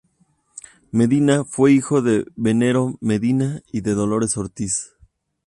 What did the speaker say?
Medina fue hijo de Venero Medina y de Dolores Ortiz.